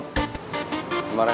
biarin pauman aja